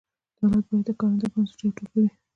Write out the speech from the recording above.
دولت باید د کارنده بنسټونو یوه ټولګه وي.